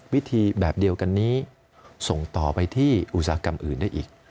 วิธีแบบเดียวกันนี้ส่งต่อไปที่อุตสาหกรรมอื่นได้อีก